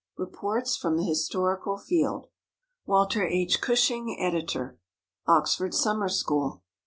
Reports from the Historical Field WALTER H. CUSHING, Editor. OXFORD SUMMER SCHOOL.